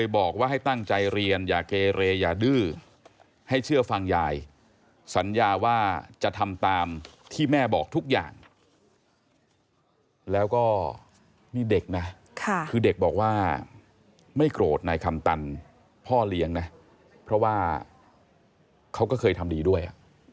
บอกว่าให้ตั้งใจเรียนอย่าเกเรอย่าดื้อให้เชื่อฟังยายสัญญาว่าจะทำตามที่แม่บอกทุกอย่างแล้วก็นี่เด็กนะคือเด็กบอกว่าไม่โกรธนายคำตันพ่อเลี้ยงนะเพราะว่าเขาก็เคยทำดีด้วย